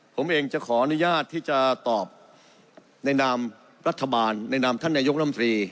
ผมเองจะขออนุญาตที่จะตอบในนามรัฐบาลในนามท่านนายกรมตรี